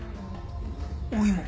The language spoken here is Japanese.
おいも。